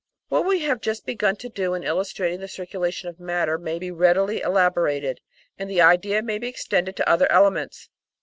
What we have just begun to do in illustrating the circulation of matter may be readily elaborated, and the idea may be extended to other elements.